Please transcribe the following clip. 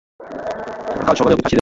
কাল সকালেই ওকে ফাঁসি দেয়া হবে।